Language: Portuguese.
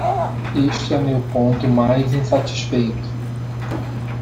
Este é o meu ponto mais insatisfeito.